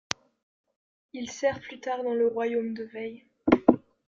Il sert plus tard dans le Royaume de Wei.